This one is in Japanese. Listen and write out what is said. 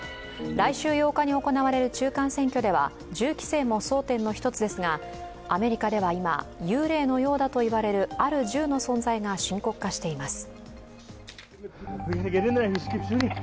来週８日に行われる中間選挙では銃規制も争点の１つですがアメリカでは今、幽霊のようだといわれるある銃の存在が深刻化しています。